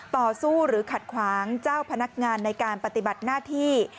ต่อสู้หรือขัดขวางเจ้าพนักงานในการปฏิบัติหน้าที่